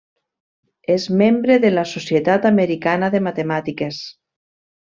És membre de la Societat Americana de Matemàtiques.